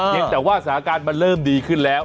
ยังแต่ว่าสถานการณ์มันเริ่มดีขึ้นแล้ว